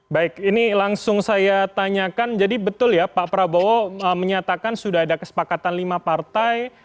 baik ini langsung saya tanyakan jadi betul ya pak prabowo menyatakan sudah ada kesepakatan lima partai